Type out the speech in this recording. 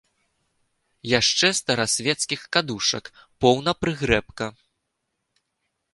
Яшчэ старасвецкіх кадушак поўна прыгрэбка.